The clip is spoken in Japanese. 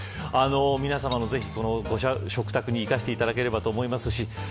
皆さまぜひ、食卓に生かしていただければと思います。